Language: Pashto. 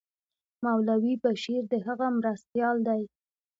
مولوي بشیر د هغه مرستیال دی.